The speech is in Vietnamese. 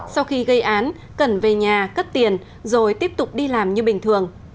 sau khi gây án cần về nhà cất tiền rồi tiếp tục đi làm như bình thường